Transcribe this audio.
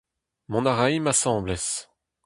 Mont a raimp asambles.